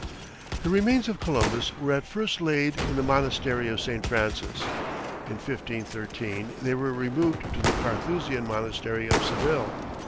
The remains of Columbus were at first laid in the monastery of St. Francis; in 1513, they were removed to the Carthusian monastery of Seville.